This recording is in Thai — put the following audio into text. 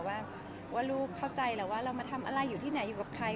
ว่าลูกเข้าใจแล้วว่าเรามาทำอะไรอยู่ที่ไหนอยู่กับใคร